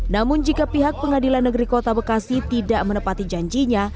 namun jika pihak pengadilan negeri kota bekasi tidak menepati janjinya